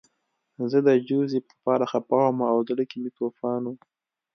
زه د جوزف لپاره خپه وم او زړه کې مې توپان و